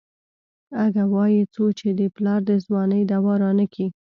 اگه وايي څو چې دې پلار د ځوانۍ دوا رانکي.